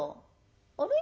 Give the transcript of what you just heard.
「あれ？